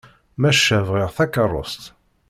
Maca bɣiɣ takeṛṛust.